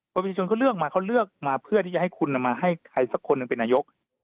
พอประชาชนเขาเลือกมาเขาเลือกมาเพื่อที่จะให้คุณมาให้ใครสักคนหนึ่งเป็นนายก